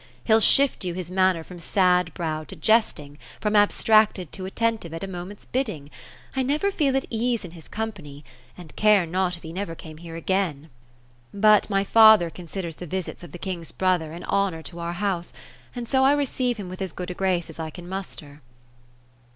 He'll shift you his manner from sad browed to jesting, from abstracted to attentive, at a moment's bidding. I never feel at ease in his company ; and care not if he never came here again ; but 236 oFUELtA ; my father considers tlie viaits of the king's brother an honor to our house, and so I receive him nrith as good a grace as I can muster.'